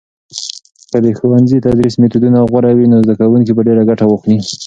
که د ښوونځي تدریس میتودونه غوره وي، نو زده کوونکي به ډیر ګټه واخلي.